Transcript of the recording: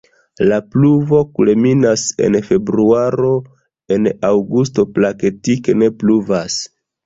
La pluvo kulminas en februaro, en aŭgusto praktike ne pluvas.